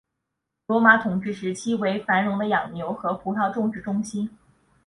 罗马统治时期为繁荣的养牛和葡萄种植中心。